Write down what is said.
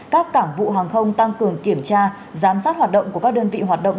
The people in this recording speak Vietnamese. các cảng vụ hàng không tăng cường kiểm tra giám sát hoạt động của các đơn vị hoạt động